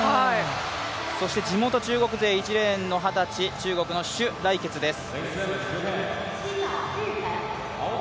そして地元、中国勢１レーンの二十歳、中国の朱蕾桔です。